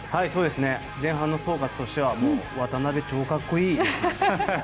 前半の総括としては渡邊、超格好いいですね。